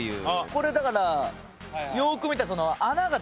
これだからよく見たら。